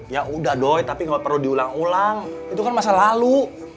ya udah doy tapi gak perlu diulang ulang itu kan masa lalu